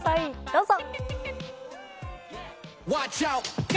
どうぞ。